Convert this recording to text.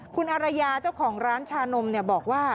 คุณอารยาเจ้าของร้านชานมบอกว่า